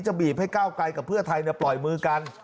บีบให้ก้าวไกลกับเพื่อไทยปล่อยมือกัน